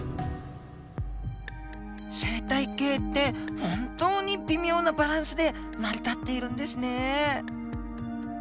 生態系って本当に微妙なバランスで成り立っているんですね。